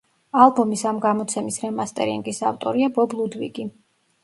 ალბომის ამ გამოცემის რემასტერინგის ავტორია ბობ ლუდვიგი.